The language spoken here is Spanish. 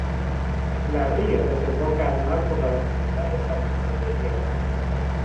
La ría desemboca al mar por la localidad de San Juan de Nieva.